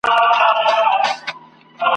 د سهار باده تازه نسیمه !.